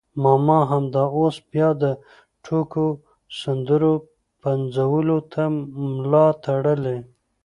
ماما همدا اوس بیا د ټوکو سندرو پنځولو ته ملا تړلې.